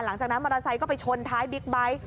หลังจากนั้นมอเตอร์ไซค์ก็ไปชนท้ายบิ๊กไบท์